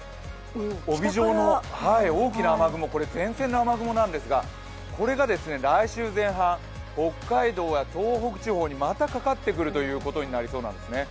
帯状の大きな雨雲、これ、前線の雨雲なんですがこれが来週前半、北海道や東北地方にまたかかってくることになりそうなんですね。